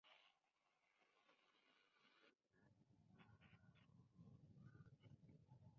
Toda la iglesia está recorrida por una cornisa.